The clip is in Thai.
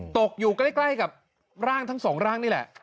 ตกอยู่ใกล้กับร่างทั้งสองร่างนี่แหละ